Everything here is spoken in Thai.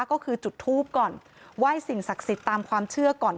ก็คือจุดทูปก่อนไหว้สิ่งศักดิ์สิทธิ์ตามความเชื่อก่อน